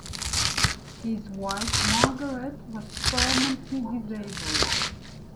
His wife, Margaret, was permanently disabled.